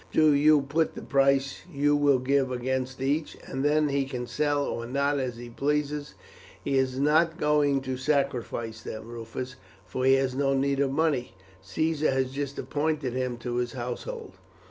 Do you put the price you will give against each, and then he can sell or not as he pleases. He is not going to sacrifice them, Rufus, for he has no need of money; Caesar has just appointed him to his household."